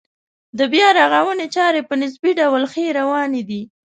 د بیا رغونې چارې په نسبي ډول ښې روانې دي.